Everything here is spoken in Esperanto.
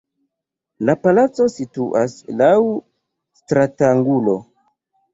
La palaco situas laŭ stratangulo.